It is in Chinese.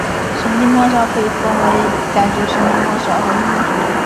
神经末梢可以分为感觉神经末梢和运动神经末梢。